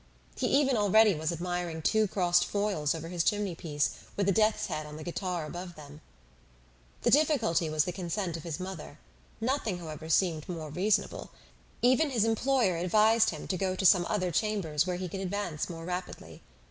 He even already was admiring two crossed foils over his chimney piece, with a death's head on the guitar above them. The difficulty was the consent of his mother; nothing, however, seemed more reasonable. Even his employer advised him to go to some other chambers where he could advance more rapidly.